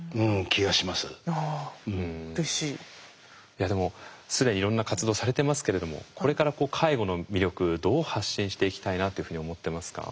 いやでも既にいろんな活動されてますけれどもこれから介護の魅力どう発信していきたいなっていうふうに思ってますか？